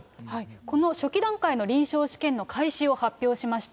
この初期段階の臨床試験の開始を発表しました。